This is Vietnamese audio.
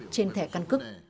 trên thẻ căn cước